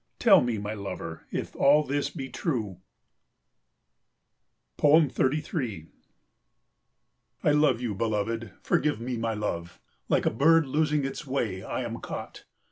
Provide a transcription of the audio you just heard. Tell me, my lover, if all this be true. 33 I love you, beloved. Forgive me my love. Like a bird losing its way I am caught.